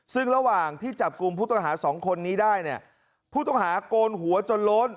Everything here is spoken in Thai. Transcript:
ซึ่งระหว่างที่จับกลุ่มผู้ต้องหาสองคนนี้ได้เนี่ยผู้ต้องหาโกนหัวจนโล้น